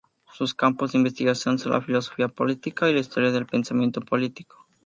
Sus campos de investigación son la filosofía política y la historia del pensamiento político.